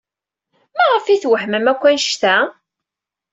Maɣef ay twehmem akk anect-a?